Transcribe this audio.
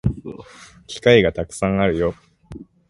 機会がたくさんあるよ